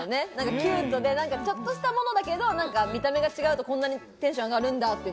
キュートでちょっとしたものだけど見た目が違うと、こんなにテンション上がるんだっていう。